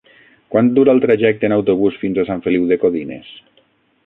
Quant dura el trajecte en autobús fins a Sant Feliu de Codines?